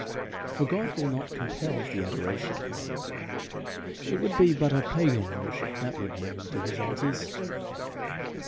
For God will not compel the adoration of men: it would be but a pagan worship that would bring to his altars.